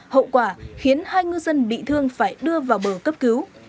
hậu quả khiến hai ngư dân bị thương phải đưa vào bờ cấp cứu